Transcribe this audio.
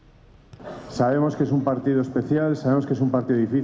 kita tahu ini adalah pertandingan yang spesial kita tahu ini adalah pertandingan yang sulit